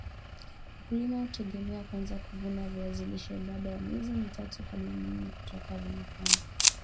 mkulima hutegemea kuanza kuvuna viazi lishe baada ya miezi mitatu hadi minne toka vimepandwa